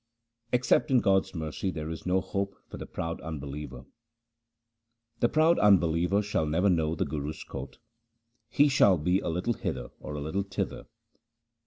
Except in God's mercy there is no hope for the proud unbeliever :— The proud unbeliever shall never know the Guru's court ; he shall be a little hither or a little thither.